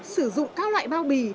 sử dụng các loại bao bì